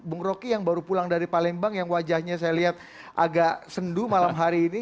bung rocky yang baru pulang dari palembang yang wajahnya saya lihat agak sendu malam hari ini